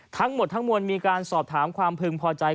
ทั้งหมดทั้งมวลมีการสอบถามความพึงพอใจ